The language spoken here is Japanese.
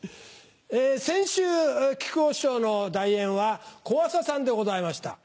先週木久扇師匠の代演は小朝さんでございました。